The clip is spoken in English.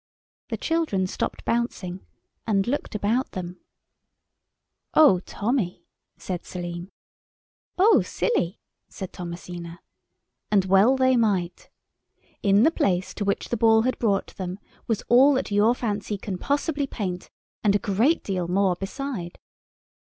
The children stopped bouncing, and looked about them. "Oh, Tommy;" said Selim. [Illustration: THEY BOUNCED THROUGH THE SUBURBS.] "Oh, Silly!" said Thomasina. And well they might! In the place to which the Ball had brought them was all that your fancy can possibly paint, and a great deal more beside.